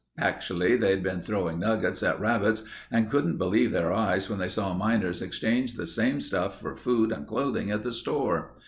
Actually they'd been throwing nuggets at rabbits and couldn't believe their eyes when they saw miners exchange the same stuff for food and clothing at the store.